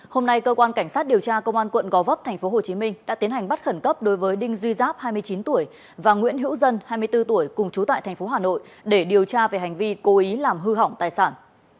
hôm nay cơ quan cảnh sát điều tra công an quận gò vấp tp hcm đã tiến hành bắt khẩn cấp đối với đinh duy giáp hai mươi chín tuổi và nguyễn hữu dân hai mươi bốn tuổi cùng chú tại tp hà nội để điều tra về hành vi cố ý làm hư hỏng tài sản